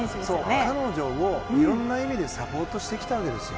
彼女をいろんな意味でサポートしてきたんです。